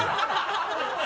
ハハハ